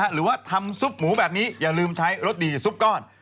หรือว่าทำซุปหมูแบบนี้อย่าลืมใช้รสดีซุปก้อน